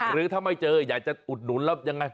หรือถ้าไม่เจออยากจะอุดหนุนแล้วยังไง